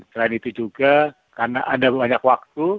selain itu juga karena ada banyak waktu